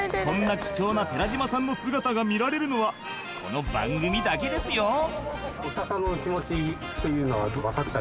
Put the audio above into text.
［こんな貴重な寺島さんの姿が見られるのはこの番組だけですよ］